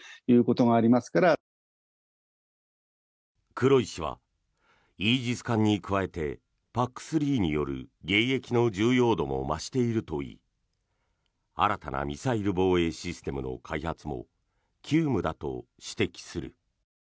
黒井氏はイージス艦に加えてＰＡＣ３による迎撃の重要度も増しているといい新たなミサイル防衛システムの開発も急務だと指摘する。